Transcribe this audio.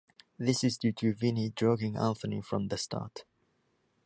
This is due to Vinny drugging Anthony from the start.